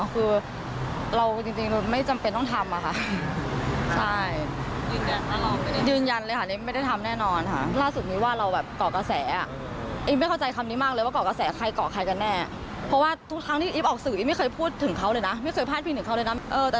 ฝ่ายมีความบังคับตรงซึ่งได้ที